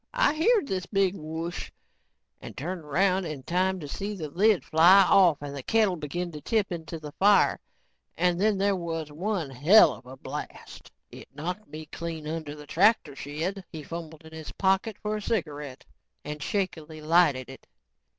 I heered this big 'whoosh' and turned around in time to see the lid fly off and the kettle begin to tip into the fire and then there was one helluva blast. It knocked me clean under the tractor shed." He fumbled in his pocket for a cigarette and shakily lighted it.